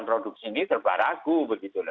produk ini terbakar ragu begitu